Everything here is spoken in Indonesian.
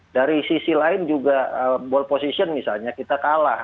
dari sisi lain juga ball position misalnya kita kalah